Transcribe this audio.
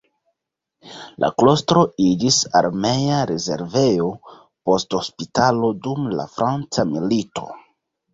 La klostro iĝis armea rezervejo poste hospitalo dum la franca milito.